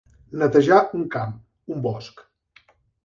Netejar un camp, un bosc.